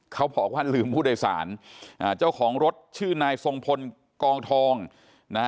เขาบอกว่าลืมผู้โดยสารอ่าเจ้าของรถชื่อนายทรงพลกองทองนะฮะ